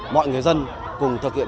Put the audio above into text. mọi người dân cùng thực hiện